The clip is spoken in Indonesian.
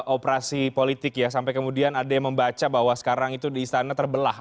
operasi politik ya sampai kemudian ada yang membaca bahwa sekarang itu di istana terbelah